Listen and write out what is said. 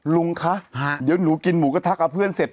ลุงคะเดี๋ยวหนูกินหมูกระทะกับเพื่อนเสร็จ